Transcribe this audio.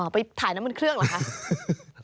ไปถ่ายน้ำมันเครื่องเหรอคะ